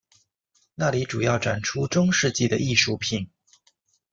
那里主要展出中世纪的艺术品。